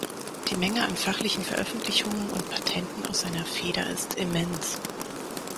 Die Menge an fachlichen Veröffentlichungen und Patenten aus seiner Feder ist immens.